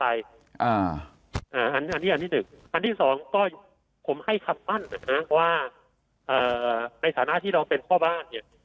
อันนี้อันที่๑อันที่สองก็ผมให้คำมั่นนะฮะว่าในฐานะที่เราเป็นพ่อบ้านเนี่ย